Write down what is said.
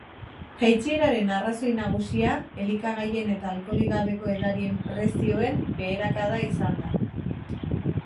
Jaitsieraren arrazoi nagusia elikagaien eta alkoholik gabeko edarien prezioen beherakada izan da.